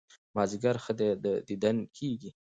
مازيګر ښه دى ديدن کېږي